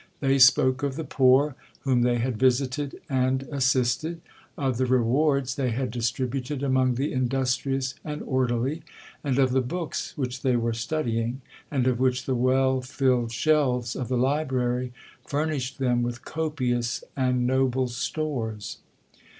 They spoke of the poor whom they had visited and assisted,—of the rewards they had distributed among the industrious and orderly,—and of the books which they were studying; and of which the well filled shelves of the library furnished them with copious and noble stores.